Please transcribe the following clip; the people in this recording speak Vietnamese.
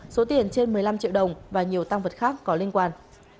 số tiền trên một mươi năm triệu đồng và nhiều tăng vật khác có liên quan